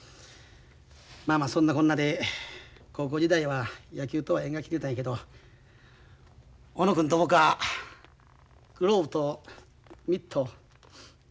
まあまあそんなこんなで高校時代は野球とは縁が切れたんやけど小野君と僕はグローブとミット交換したんや。